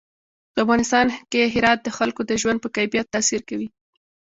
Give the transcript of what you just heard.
په افغانستان کې هرات د خلکو د ژوند په کیفیت تاثیر کوي.